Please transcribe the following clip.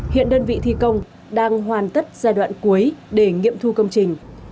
hiện đơn vị thi công đang hoàn tất giai đoạn cuối để nghiệm thu công trình